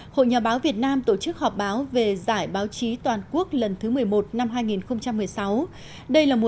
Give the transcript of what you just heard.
hội nhà báo việt nam tổ chức họp báo về giải báo chí toàn quốc lần thứ một mươi một năm hai nghìn một mươi sáu